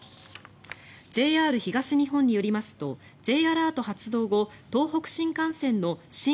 ＪＲ東日本によりますとＪアラート発動後東北新幹線の新